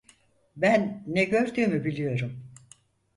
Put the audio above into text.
Ben ne gördüğümü biliyorum.